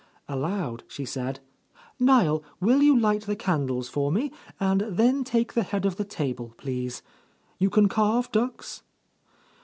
Aloud she said, "Niel, will you light the can dles for me? And then take the head of the table, please. You can carve ducks?"